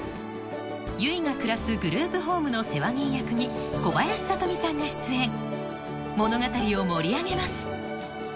結が暮らすグループホームの世話人役に小林聡美さんが出演物語を盛り上げます